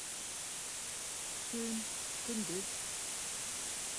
Көн, көндөҙ